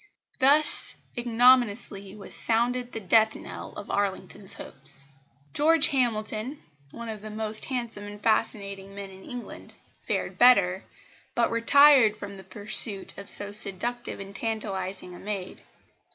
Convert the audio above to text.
Thus ignominiously was sounded the death knell of Arlington's hopes!" George Hamilton, one of the most handsome and fascinating men in England, fared better, but retired from the pursuit of so seductive and tantalising a maid.